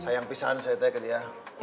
sayang pisah saya teh ke dia